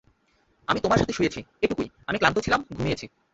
আমি তোমার সাথে শুয়েছি, এইটুকুই, আমি ক্লান্ত ছিলাম ঘুমিয়েছি।